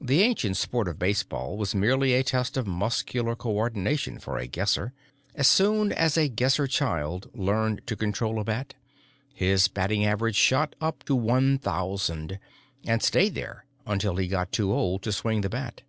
The ancient sport of baseball was merely a test of muscular co ordination for a Guesser; as soon as a Guesser child learned to control a bat, his batting average shot up to 1.000 and stayed there until he got too old to swing the bat.